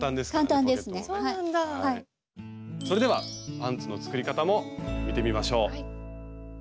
それではパンツの作り方も見てみましょう。